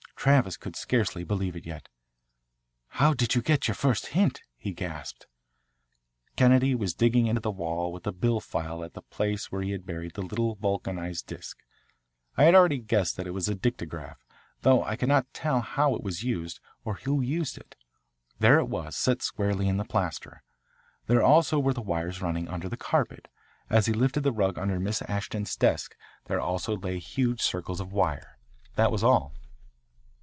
Travis could scarcely believe it yet. "How did you get your first hint?" he gasped. Kennedy was digging into the wall with a bill file at the place where he had buried the little vulcanised disc. I had already guessed that it was a dictograph, though I could not tell how it was used or who used it. There it was, set squarely in the plaster. There also were the wires running under the carpet. As he lifted the rug under Miss Ashton's desk there also lay the huge circles of wire. That was all.